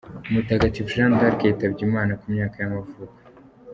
Mutagatifu Jeanne d’Arc yitabye Imana, ku myaka y’amavuko.